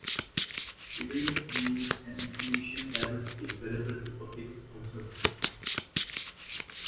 Degree of news and information diversity available to the public is also addressed.